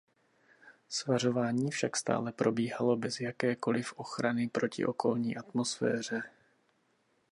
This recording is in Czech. Svařování však stále probíhalo bez jakékoliv ochrany proti okolní atmosféře.